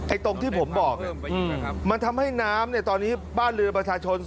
ตรงที่ผมบอกเนี่ยมันทำให้น้ำเนี่ยตอนนี้บ้านเรือนประชาชน